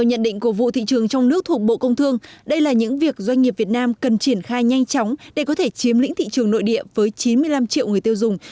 hiệp định cương mại tự do việt nam cần triển khai nhanh chóng để có thể chiếm lĩnh thị trường nội địa với chín mươi năm triệu người tiêu dùng